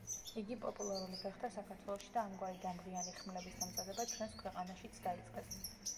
იგი პოპულარული გახდა საქართველოში და ამგვარი დამღიანი ხმლების დამზადება ჩვენს ქვეყანაშიც დაიწყეს.